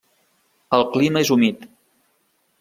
El clima és humit.